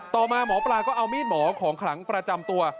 ต่อมาหมอปลาก็เอามีดหมอของขลังประจำตัว